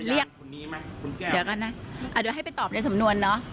เดี๋ยวก่อนนะเดี๋ยวให้ไปตอบในสำนวนเนาะ